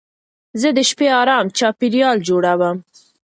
زه د شپې ارام چاپېریال جوړوم.